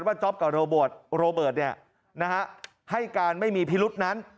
ท่านจอปกับโรเบิร์ตให้การไม่มีพีรุทธ์นั้น